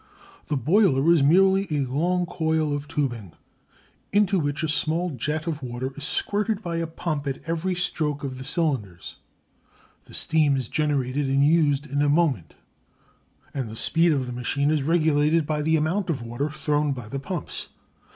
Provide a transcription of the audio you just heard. The boiler is merely a long coil of tubing, into which a small jet of water is squirted by a pump at every stroke of the cylinders. The steam is generated and used in a moment, and the speed of the machine is regulated by the amount of water thrown by the pumps.